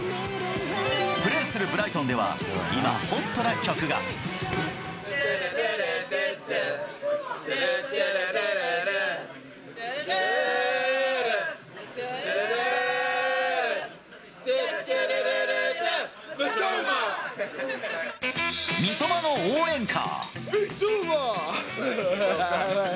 プレーするブライトンでは、今、ホットな曲が。三笘の応援歌。